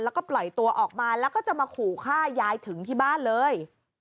แล้วก็ปล่อยตัวออกมาแล้วก็จะมาขู่ฆ่ายายถึงที่บ้านเลย